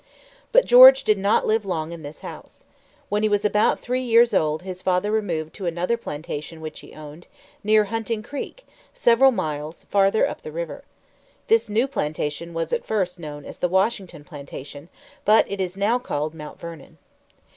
But George did not live long in this house. When he was about three years old his father removed to another plantation which he owned, near Hunting Creek, several miles farther up the river. This new plantation was at first known as the Washington Plantation, but it is now called Mount Vernon.